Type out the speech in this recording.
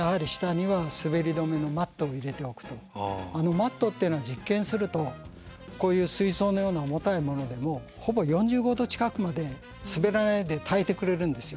マットっていうのは実験するとこういう水槽のような重たいものでもほぼ４５度近くまで滑らないで耐えてくれるんですよ。